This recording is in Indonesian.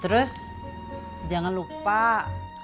terus jangan lupa katanya bapak janjianya ya